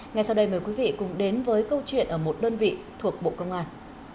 ngay sau đây mời quý vị cùng đến với câu chuyện ở một đơn vị thuộc bộ công an